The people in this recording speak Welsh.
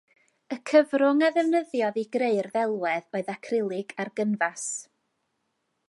Y cyfrwng a ddefnyddiodd i greu'r ddelwedd oedd acrylig ar gynfas